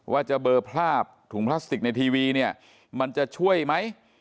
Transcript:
ว่าจะเบอร์ภาพถุงพลาสติกในทีวีเนี่ยมันจะช่วยไหม